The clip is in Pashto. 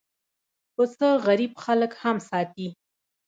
پسه غریب خلک هم ساتي.